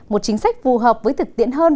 một chính sách phù hợp với thực tiễn hơn